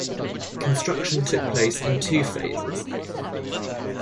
Construction took place in two phases.